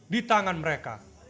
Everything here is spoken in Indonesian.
di tangan mereka